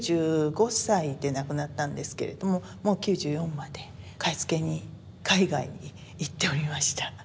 ９５歳で亡くなったんですけれどももう９４まで買い付けに海外に行っておりました。